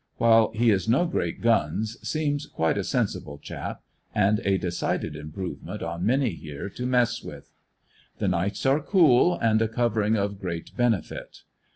While he is no great guns, seems quite a sensible chap and a decided improvement on many here to mess with. The nights are cool, and a covering of great benefit.